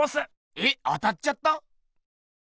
えっ当たっちゃった？